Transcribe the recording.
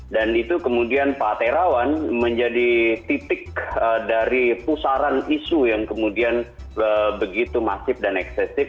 dan itu kemudian pak aterawan menjadi titik dari pusaran isu yang kemudian begitu masif dan eksesif